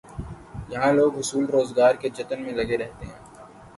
یہاں لوگ حصول روزگار کے جتن میں لگے رہتے ہیں۔